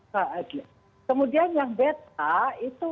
kemudian yang beta itu